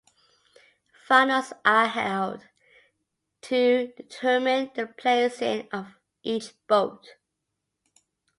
Finals are held to determine the placing of each boat.